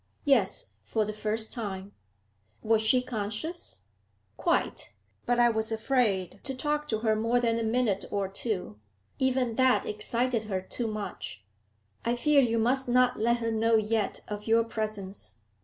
'Yes, for the first time.' 'Was she conscious?' 'Quite. But I was afraid to talk to her more than a minute or two; even that excited her too much. I fear you must not let her know yet of your presence.'